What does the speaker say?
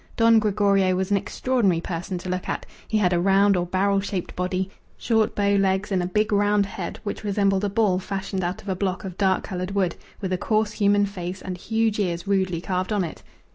Don Gregorio was an extraordinary person to look at; he had a round or barrel shaped body, short bow legs, and a big round head, which resembled a ball fashioned out of a block of dark coloured wood with a coarse human face and huge ears rudely carved on it.